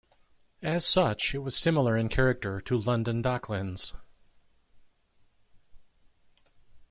As such it was similar in character to London Docklands.